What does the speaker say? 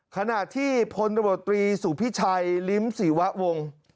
ขณะที่พลตบตรีสุพิชัยลิ้มศรีวะวง